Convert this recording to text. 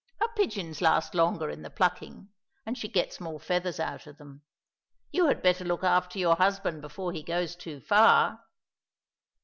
Her pigeons last longer in the plucking, and she gets more feathers out of them. You had better look after your husband before he goes too far!"